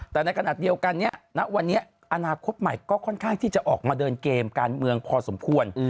แต่ในขณะเดียวกันเนี่ยณวันนี้อนาคตใหม่ก็ค่อนข้างที่จะออกมาเดินเกมการเมืองพอสมควร